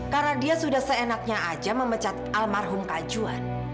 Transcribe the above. karena dia sudah seenaknya aja memecat almarhum kajuan